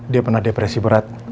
dia pernah depresi berat